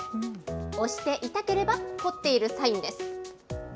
押して痛ければ凝っているサインです。